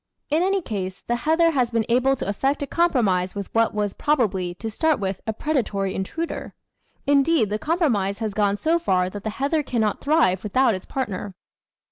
In any case, the heather has been able to effect a compromise with what was probably, to start with, a predatory intruder ; indeed, the compromise has gone so far that the heather cannot thrive without its partner.